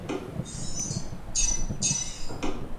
Sitio web de la ciudad